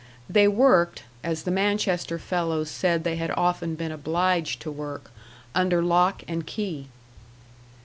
They worked as the Manchester fellows said they had often been obliged to work under lock and key.